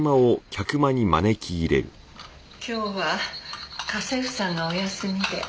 今日は家政婦さんがお休みで。